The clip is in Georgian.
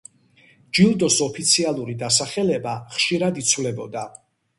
ჯილდოს ოფიციალური დასახელება ხშირად იცვლებოდა.